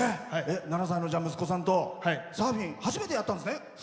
７歳の息子さんとサーフィン初めてやったんですね。